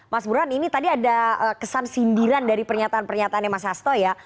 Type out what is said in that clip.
mas burhan ini tadi ada kesan sindiran dari pernyataan pernyataannya mas hasto ya